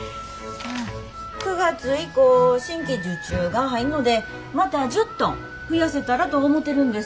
９月以降新規受注が入んのでまた１０トン増やせたらと思てるんです。